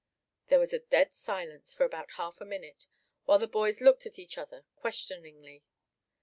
There was a dead silence for about half a minute, while the boys looked at each other questioningly.